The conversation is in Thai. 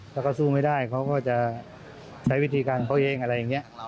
ถ้าเขาสู้ไม่ได้เขาก็จะใช้วิธีการเขาเองอะไรอย่างนี้